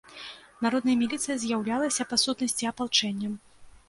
Народная міліцыя з'яўлялася, па сутнасці, апалчэннем.